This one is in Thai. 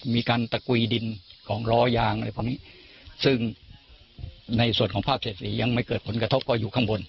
มีการตะกุยดินของล้อยางอะไรพวกนี้ซึ่งในส่วนของภาพเศรษฐียังไม่เกิดผลกระทบก็อยู่ข้างบน